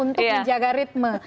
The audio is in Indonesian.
untuk menjaga ritme